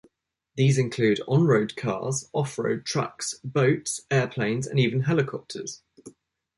These include on-road cars, off-road trucks, boats, airplanes, and even helicopters.